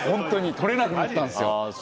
取れなくなったんですよ。